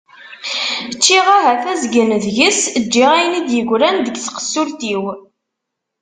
Ččiɣ ahat azgen deg-s, ǧǧiɣ ayen i d-yegran deg tqessult-iw.